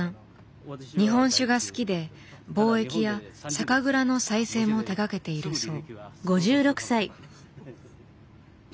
日本酒が好きで貿易や酒蔵の再生も手がけているそう。